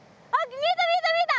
見えた見えた見えた！